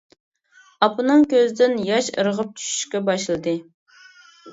ئاپىنىڭ كۆزىدىن ياش ئىرغىپ چۈشۈشكە باشلىدى.